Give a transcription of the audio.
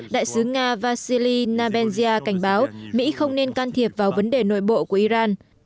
đại sứ nga vasili nabenzia cảnh báo mỹ không nên can thiệp vào vấn đề nội bộ của iran